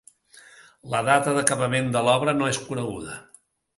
La data d'acabament de l'obra no és coneguda.